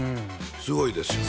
すごいですよね